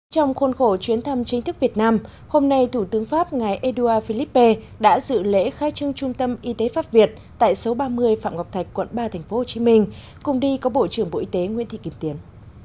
trong khuôn khổ chuyến thăm chính thức việt nam hôm nay thủ tướng pháp ngài édouard philippe đã dự lễ khai trưng trung tâm y tế pháp việt tại số ba mươi phạm ngọc thạch quận ba tp hcm cùng đi có bộ trưởng bộ y tế nguyễn thị kiểm tiến